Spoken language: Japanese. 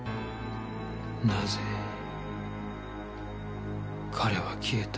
なぜ彼は消えた？